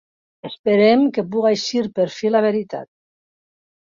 Esperem que puga eixir per fi la veritat.